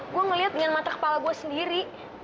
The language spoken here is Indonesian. gua ngeliat dengan mata kepala gua sendiri